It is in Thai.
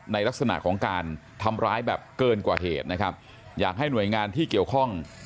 ลักษณะของการทำร้ายแบบเกินกว่าเหตุนะครับอยากให้หน่วยงานที่เกี่ยวข้อง